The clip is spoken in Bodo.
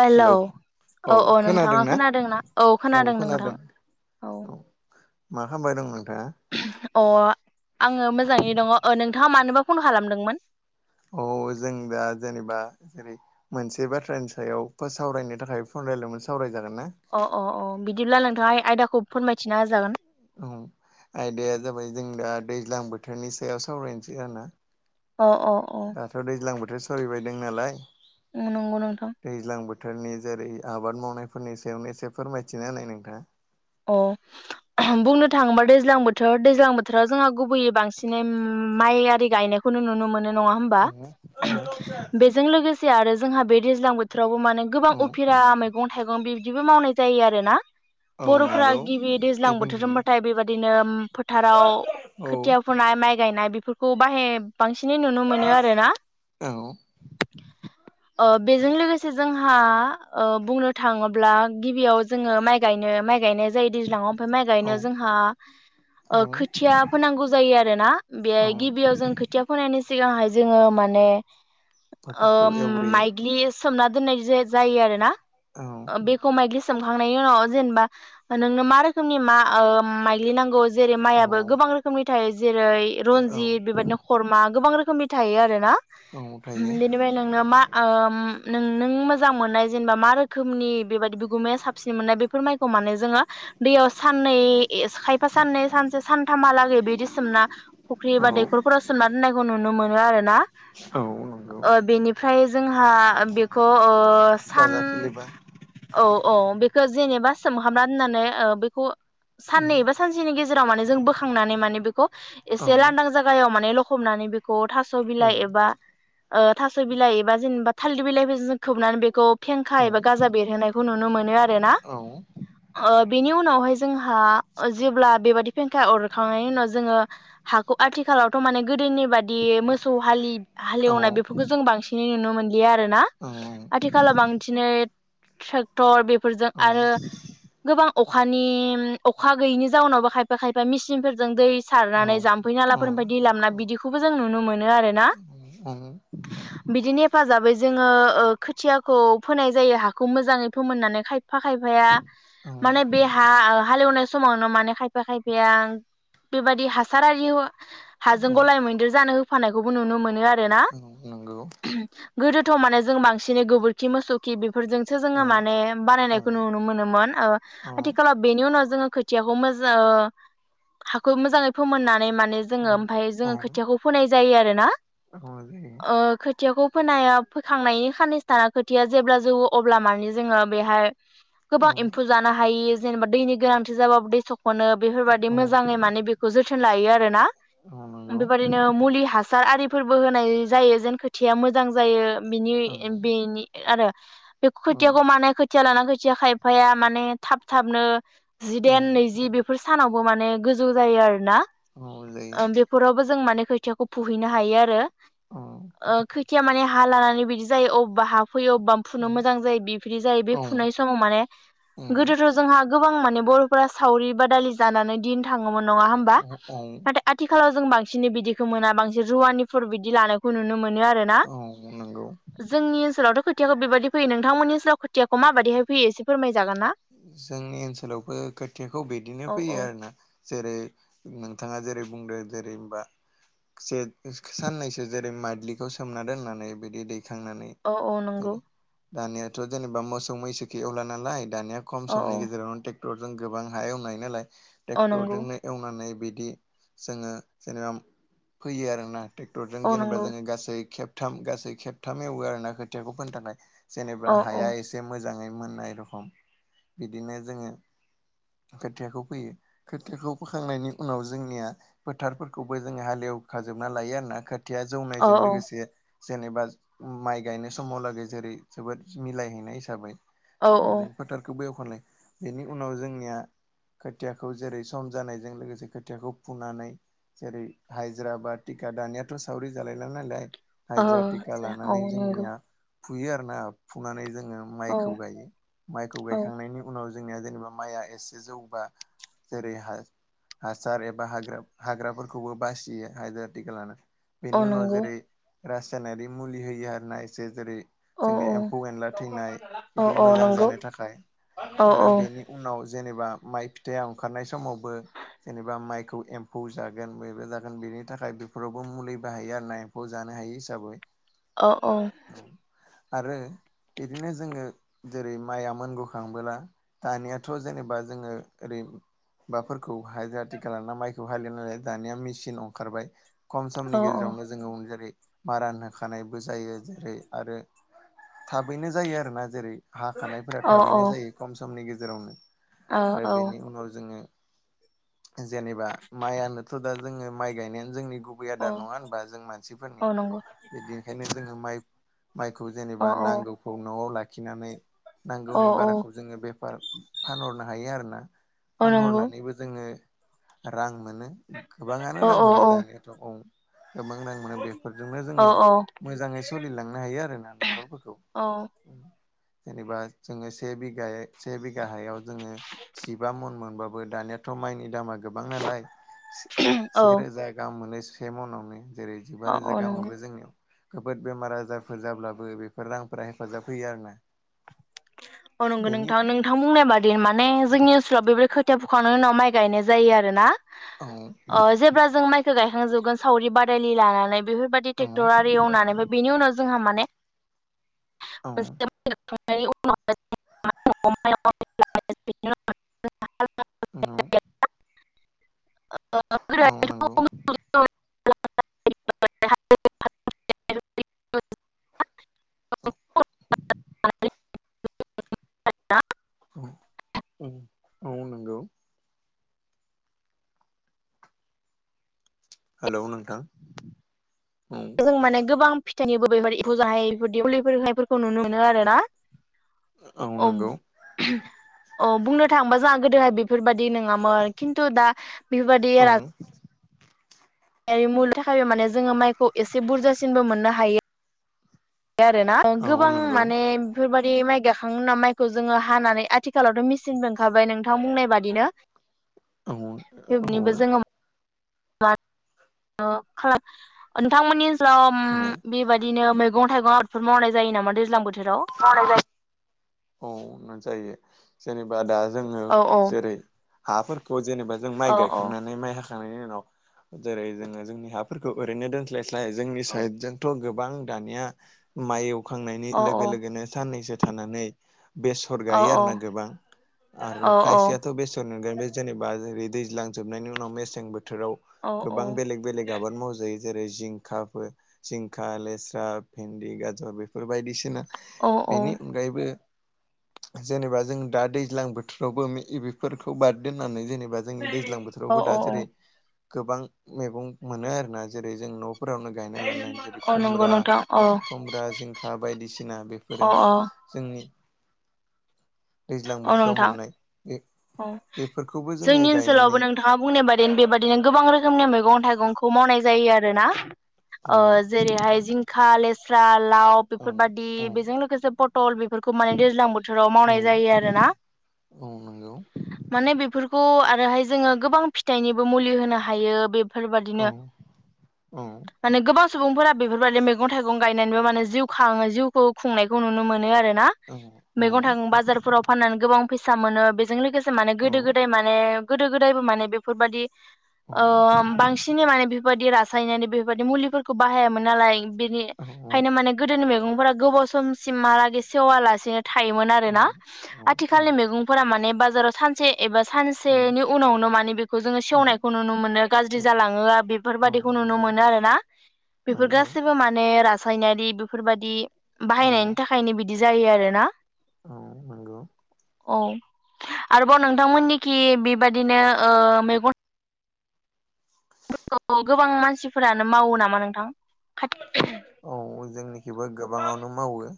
हेलौ औ औ नोंथाङा खोनादोंना औ खोनादों नोंथां औ मा खालामबाय दंमोन अ आङो मोजां मोजाङै दङ नोंथाङा मानोबा फन खालामदोंमोन औ जों दा जेनेबा जेरै मोनसे बाथ्रानि सायाव सावरायनो थाखाय फन रायलायदोंमोन सावराय अ अ अ बिदि बिदिब्ला नोंथाङा आयदाखौ फोरमायथिना होजागोन आयदाया जाबाय जों दा दैज्लां बोथोरनि सायाव सावरायनोसै अ अ अ दाथ' दैज्लां बोथोर सलिबाय दं नालाय नंगौ नोंथां दैज्लां जेरै आबाद मावनायफोरनि सायावनो एसे फोरमायथिना होनाय नोंथांआ बुंनो थाङोबा दैज्लां बोथोर दैज्लां बोथोराव जोंहा गुबैयै बांसिनै माइ आरि गायनायखौनो नुनो मोनो नङा होमबा बेजों लोगोसे [unintelligible] आरो जोंहा बेद दैज्लां बोथोरावबो माने गोबां औ उफेरा मैगं थाइगं बि बिदिबो मावनाय जायो आरो ना औ बर'फ्रा नंगौ गिबि दैज्लां एक बोथोर मिनिटनि होनबाथाय बेबायदि बिदिनो फोथाराव औ खोथिया फोनाय माइ गायनाय बेफोरखौ [inaudible] बांसिनै नुनो मोनो आरो ना औ बेजों लोगोसे जोंहा बुंनो थाङोब्ला गिबियाव जोङो माइ गायनो माइ गायनाय जायो दैज्लांआव माय औ गायनायाव जोंहा ओ औ खोथिया फोनांगौ जायो आरोना औ गिबियाव खोथिया फोनायनि सिगांहाय जोङो माने फोथारखौ ओम एवग्रोयो माइगलि सोमना दोननाय जायो आरो ना? औ ओ बेखौ माइलि खांनायनि उनाव जेनेबा नोंनो मा रोखनि मा माइलि नांगौ। जेरै औ माइआबो गोबां रोखोमनि थायो जेरै औ रन्जित बेबायदिनो खरमा गोबां रोखोम रोखोमनि थायो आरो ना। औ थायो बिनिफ्राय नोंना मा? नों नों मोजां मोननाय जेनेबा मा रोखोमनि बेबायदि बिगुमाया साबसिन मोननाय बेफोर माइखौ माने जोङो दैयाव साननै खायफा साननै सानसे सानथामहालागै बिदि सोमना फुख्रि औ एबा दैखरफोराव सोमना दोननायखौ नुनो मोनो। आरो ना औ नंगौ ओ बेनि फ्राय जोंहा बेखौ ओ सान गाजा खिलिबा औ औ बेखौ जेनेबा सोमहाबना होननानै ओ बेखौ उम साननैबा सानसेनि गेजे राव माने जों बोखांनानै माने बेखौ औ एसे लांदां जायगायाव माने हमनानै बे खौ थास' औ बिलाइ एबा ओ थास' बिलाइ एबा जेनेबा थालिर बिलाइफोरजों खोबनानै बेखौ फेंखा औ एबा गाजा बेरहोनायखौ नुनो मोनो आरोना औ ओ बेनि उनावहाय हा जेब्ला बेबादि फेंखा अरखांनायनि उनाव जोङो हाखौ आथिखालावथ' माने गोदोनि बादि मोसौ हालि औ हालेवनाय बेफोरखौ जों बांसिनै नुनो मोनो आरो ना आथिखालाव बांसिनै ट्रैक्टर बे फोरजों औ आरो गोबां अखानि अखा गैयिनि जाउनावबो खायफा खायफा मेसिनफोरजों दै औ सारनानै जाम्फै औ नालाफोरनिफ्राय दै लाबोना बिदिखौबो जों नुनो मोनो आरो ना। बिदिनो हेफाजाबै जोङो ओ खोथियाखौ फोनाय जायो हाखौ मोजाङै फोमोननानै खाय फा खायफाया माने बे हा हालेवनाय समावनो माने खायफा खायफाया बेबायादि हासार आरि हाजों गलाय मैदेर जानो होफानायखौबो नुनो मोनो आरो। औ नंगौ। गोदोथ' माने जों बांसिन गोबोरखि मोसौखि बेफोरजोंसो औ जोङो माने औ बानायनायखौ नुनो मोनोमोन ओ आथिखालाव बेनि उनाव जोङो खोथियाखौ हाखौ मोजाङै फोमोननानै माने जोङो ओमफ्राय जोङो खोथियाखौ फोनाय जायो आरो ना। औ जायो ओ खोथियाखौ फोनाया फोखांनायनि खाननैसो थाना खोथिया जेब्ला जौवो अब्ला माने जोङो बेहाय गोबां एम्फौ जानो हायो जेनेबा दैनि गोनांथि जाबाबो दै स नो बेफोरबायदि मोजाङै माने बेखौ जोथोन लायो आरोना। बेबायदिनो मुलि हासार आरि फोरबो होनाय जायो जेन खोथिया मोजां जायो। बिनि बेनि आरो [inaudible] बे खोथियाखौ मानाय खोथिया लाना खायफाया माने थाब थाबनो जिदाइन नैजि बेफोर सानाव माने गोजौ जायो आरोना। ओ बेफोरावबो जों माने खोथियाखौ फुहैनो हायो आ रो अ खोथिया माने हा लानानै बिदि जायो अब्बा हा फैयो अब्बा फुनो मोजां जायो बेबायदि जायो बे औ फुनाय समाव माने औ गोदोथ' जोंहा गोबां माने बर'फोरा सावरि बादालि जानानै दिन थाङोमोन नङा होमबा औ औ नाथाय आथिखालाव जों बांसिन बिदिखौ मोना बांसिन रुवानि फोर बिदि लानायखौ नुनो मोन नो आरोना औ नंगौ जोंनि ओनसोलावथ' खो थियाखौ बेबायादि फोयो नोंथांमोननि स खुथियाखौ माबाइदिहाइ फोयो एसे फोरमाय जोंनि ओनसोलावबो खोथियाखौ बिदिनो औ फैयो औ आरोना जेरै नोंथाङा जे बुंदो जेरै होमबा जेद साननैसो जेरै माइदलिखौ सोमना दोननानै बिदि दै थांनानै औ औ नंगौ जेरै दानियाथ' जेनेबा मोसौ मैसैखौ एवला नालाय दानिया खम औ समनि औ गेजेराव टे रजों गोबां हा एवनो हायो नालाय औ नंगौ ट्रेक्टरजोंनो एवनानै बिदि बिदि जोङो जेनेबा फैयो आरोना ट्रेक्टरजों औ जेनेबा नंगौ जोङो गासै खेब थाम गासै खेबथाम एवो आरो ना खोथियाखौ फोननो थाखायांनाय जेनेबा औ औ हाया एसे मोजाङै मोन एरखम बिदिनो जोङो खोथियाखौ फोयो खोथियाखौ फोखांनायनि उनाव जोंनिया फोथारफोरखौबो जोङो हालेव खाजोबना लायो आरोना खोथिया खोथिया औ जौनायजों लोगोसे जेनेबा माइ गायनाय समावलागै जेरै जोबोद मिलायहैनाय हिसाबै औ [unintelligible] गुबै अखलाय बेनि उनाव जोंनिया खोथियाखौ जेरै सम जानायजों लोगोसे खोथियाखौ फुनानै जेरै हाजिर बाद टिखाा दानियाथ' सावरि जालायला नालाय औ हाजिराटिका औ लानानै औ नंगौ जोंनिया फुयो आरो ना फुनानै जोङो औ माइखौ गायो माइखौ औ गाय उनाव जोंनिया जेनेबा माइआ एसे जौबा जेरै हासार एबा हाग्राफोरखौबो बासियो हाजिरा थिखालाना औ बेनि उनाव नंगौ जेरै रासायनारि मुलि होयो आर ना एसे जेरै औ जोंनि औ एम्फौ एनला थैनाय औ बिदि औ मोजां नंगौ जानो थाखाय औ आरो औ बेनि उनाव जेन एबा माइ फिथाइया ओंखारनाय समावबो जेनेबा माइखौ एम्फौ जागोन बबो जागोन बेनि थाखाय बेफोरावबो मुलि बाहायो आर ना एम्फौ जानो हायि हिसाबै अ औ आरो बिदिनो जोङो जेरै माइआ मोनगौ खांबोला दानियाथ' जेनेबा जोङो ओरै माफोरखौ ह आथिखाल ना माइखौ हालिव नालाय दानिया मेचिन ओंखारबाय खम औ समनि गेजेरावनो जोङो जेरै मारान होखानायबो जायो जेरै आरो थाबैनो जायो आरोना जेरै हाखानायफोरा थाबैनो जायो खम समनि गेजेराव औ गेरावनो आरो बेनि उनाव जोङो जेनेबा माइआनोथ' दा। जोङो माइ गायनायानो जोंनि। गुबै औ आदार नङा होनबा जों मानसिफोरनि औ नंगौ बिदिखायनो। जोङो माइ। माइखौ औ जेनेबा औ नांगौखौ न'आव लाखि। खिनानै औ नांगौनि औ बाराखौ जोङो बेफार फानहरनो हायो आरो ना। औ नंगौ फानहरनानैबो जोङो रां। मोनो गोबाङानो औ रां मोनो औ दानियाथ' औ। गोबां रां मोनो बेफोरजोंनो औ जोङो मोजाङै सोलिलांनो हायो आरो ना न'खरफोरखौ। औ जेनबा। जोङो से बिघायै से बिघा हायाव जोङो जिबा मन मोनो। ओमबाबो दानियाथ' माइनि दामा। गोबां नालाय औ सेेरोजा गाम मोनो से मनाव नो। जेरै जिबा रोजा औ नंगौ गामावबो जोंनियाव। गोबोद बेमार आजारफोर जाब्लाबो बेफोर रांफोरा हेफाजाब होयो आरोना। औ नंगौ बेनि नोंथां नोंथां बुंनाय बादि माने जोंनि ओनसोलाव बे रो खोथिया फुखांनायनि उनाव माइ गायनाय जायो आरो ना। औ जेब्ला जों माइखौ गाय [unintelligible] सावरि बादायलि लानानै। बेफोरबायदि औ ट्रेक्टर आरि एवनानैबो बि उनाव जोंहा माने औ [unintelligible] [unintelligible] [unintelligible] औ। औ नंगौ। [unintelligible] [unintelligible] औ-औ-औ नंगौ। हेलौ नोंथां। औ जों माने गोबां। जेनिबो बेफोरदि एम्फौ जानाय मुलिफोर होनायफोरखौ नुनो मोनो आरो ना? औ अब। नंगौ अ बुंनो थाङोबा जोंहा गोदोहाय बेफोरबायदि नङामोन खिन्तु दा। बेफोरबायदि औ [unintelligible] बे मुुलिनि थाखायबो माने जोङो माइखौबुजासिनबो मोनो हायो। बे आरो ना औ गोबां नंगौ माने बेफोरबादि। बे माइ गाखांनायनि उनाव माइखौ जोङो हानानै आथिखालावथ' मेसिनबो ओंखारबाय नोंथां बुंनाय बादिनो। औ-औ। बेबायदिबो जोङो [unintelligible] खालाम नोंथांमोननि ओनसो। सोलाव औ बेबायदिनो मैगं। मैंगं-थाइगं आबादफोर मावनाय जायो नामा दैज्लां बोथोर। मावनाय जायो। औ जायो जेनेबा दा। जोङो औ औ जेरै हाफोर। जेनेबा जों माइ औ औ गायखांनानै माइ हाख। खांनायनि उनाव जेरै जोङो जोंनि हाफोरखौ ओरैनो दोनस्लाय स्लाय। स्लाय जोंनि औ साइदजोंथ' गोब। गोबां दानिया माइ। खांनायनि औ लोगो औ लोगोनो साननैसो। थानानै। बेसर औ गायो आरो ना गोबां आरो औ खायसेयाथ' बेसर। गोन बे जेनेबा जै दैज्लां जोबनायनि उनाव मेसें बोथोर। बोथोराव औ गोबां बेलेग-बेलेग आबाद मावजायो। जेरै-जिंखाफोर, जिंखा, लेस्रा, भेन्दि, गाजर बेफोर बायदिसिना। बेनि औ अनगायैबो। जेनेबा जों दा दैज्लां बोथोरावबो बेफोरखौ बाद दोननानै जेनेबा। दा जोंनि दैज्लां बोथोरावबो दा औ जेरै- गोबां मैगं मोनो आरोना जेरै-जों न'। फोरावनो गायना लानाय औ नंगौ नोंथां औ जेरै-खुमब्रा-खुमब्रा, जिंखा बायदिसिना बेफोरो औ औ जोंनि। दैज्लां औ बोथोराव नोंथां मोननाय बे। औ बेफोरखौबो जोङो जोंनि ओनसोलावबो गायनानै नोंथाङा बुंनाय बादि बेबादिनो गोबां रोखोमनि मैगं था थाइगंखौ मावनाय जायो आरोना। औ ओ जेरैहाय जिंखा लेस स्राद लाव औ बेफोरबायदि औ बेजों लोगोसे पटल बेफोरखौ माने दैज्लां बोथोराव औ मावनाय जायो आरोना। औ नंगौ माने बेफोर खौ आरोहाय जोङो गोबां फिथाइनिबो मुलि होनो हायो बे औ फोरबायदिनो औ माने गोबां सुबुंफोरा बेफोरबायदि मैगं थाइगं गायनानैबो माने जिउ खाङो जिउखौ खुंनायखौ नुनो मोनो आरो। ना औ औ मैगं थाइं बाजारफोराव फाननानै गोबां फैसा मोनो बेस जों लोगोसे से माने औ गोदो गोदाय माने गोदो गोदायबो माने बेफोरबादि। ओ बांसिनै माने बेफोरबायदि रास सायनारि बेफोरबायदि मुलिफोरखौ बाहायामोन नालाय। बेनि औ औ खायनो माने गोदोनि मैगं फोरा गोबाव समसिम हालागै स सेवालासेनो थायोमोन आरोना आथिखालनि मैगंफोरा माने बाजाराव सानसे। एबा सानसेनि उनावनो माने बेखौ जोङो सेवनायखौ नुनो मोनो गाज्रि औ जालाङो औ बेफोरबादिखौ नुनो नंगौ मोनो आरो ना बेफोर नंगौ गासैबो माने रास रासायनारि बेफोरबादि। औ बाहायनायनि थाखायनो बिदि जायो आरो ना। औ नंगौ औ। आरोबाव नोंथांमोननिखि बेबादिनो ओ मैगं फोरखौ गोबां मानसिफोरानो मावो नामा नोंथां खाथि औ जोंनिखिबो गोबाङावनो मावो।